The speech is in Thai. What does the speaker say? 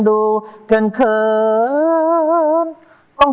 มารวมปิดทอง